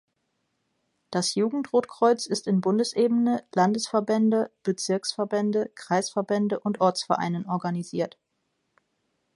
Das Jugendrotkreuz ist in Bundesebene, Landesverbände, Bezirksverbände, Kreisverbände, und Ortsvereinen organisiert.